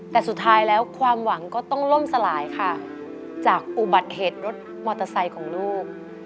แต่สุดท้ายแล้วความหวังก็ต้องล่มสลายค่ะจากอุบัติเหตุรถมอเตอร์ไซค์ของลูก